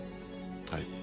はい。